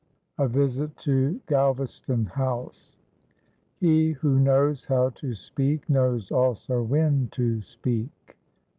A VISIT TO GALVASTON HOUSE. "He who knows how to speak knows also when to speak."